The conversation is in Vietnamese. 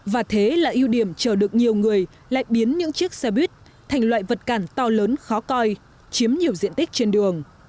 và thế là ưu điểm chờ được nhiều người lại biến những chiếc xe buýt thành loại vật cản to lớn khó coi chiếm nhiều diện tích trên đường